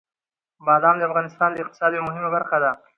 بادام د افغانستان د اقتصاد یوه مهمه برخه ده.